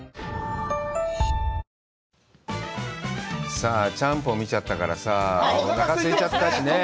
さあ、ちゃんぽん見ちゃったからさ、おなかすいちゃったしねえ。